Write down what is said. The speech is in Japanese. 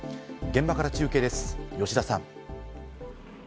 現場から中継です、吉田さん。